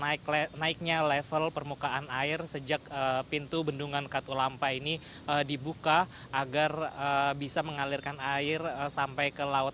nah ini adalah sampah yang sudah naiknya level permukaan air sejak pintu bendungan katulampa ini dibuka agar bisa mengalirkan air sampai ke laut